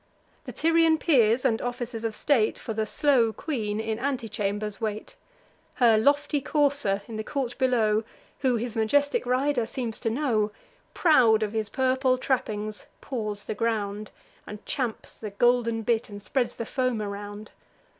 The Tyrian peers and officers of state For the slow queen in antechambers wait; Her lofty courser, in the court below, Who his majestic rider seems to know, Proud of his purple trappings, paws the ground, And champs the golden bit, and spreads the foam around.